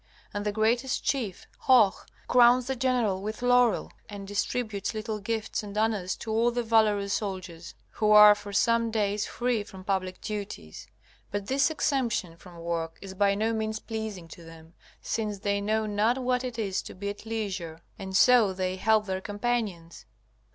And the greatest chief, Hoh, crowns the general with laurel and distributes little gifts and honors to all the valorous soldiers, who are for some days free from public duties. But this exemption from work is by no means pleasing to them, since they know not what it is to be at leisure, and so they help their companions.